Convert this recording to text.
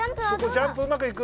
ジャンプうまくいく？